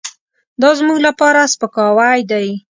دازموږ لپاره سپکاوی دی .